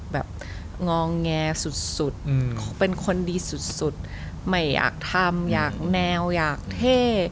มองแงสุดเป็นคนดีสุดไม่อยากทำอยากแนวอยากเท่